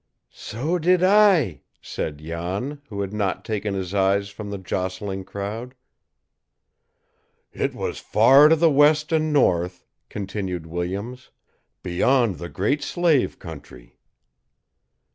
"So did I," said Jan, who had not taken his eyes from the jostling crowd. "It was far to the west and north," continued Williams; "beyond the Great Slave country."